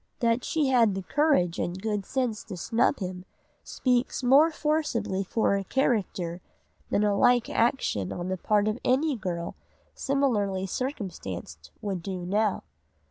That she had the courage and good sense to snub him speaks much more forcibly for her character than a like action on the part of any girl similarly circumstanced would do now.